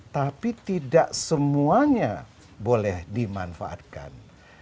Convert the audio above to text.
tapi tidak semuanya boleh dimanfaatkan